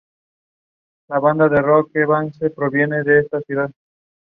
Posteriormente, sus agresores fueron acusados, condenados y encarcelados durante dos años cada uno.